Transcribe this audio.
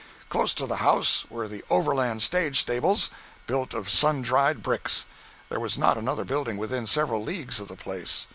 Close to the house were the Overland stage stables, built of sun dried bricks. There was not another building within several leagues of the place.